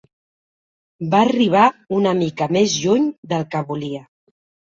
Va arribar una mica més lluny del que volia.